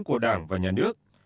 của đảng và nhà nước